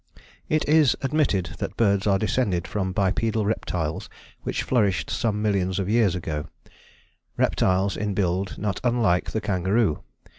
"It is admitted that birds are descended from bipedal reptiles which flourished some millions of years ago reptiles in build not unlike the kangaroo.